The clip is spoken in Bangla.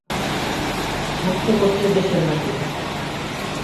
মুক্ত করতে দেশের মাটি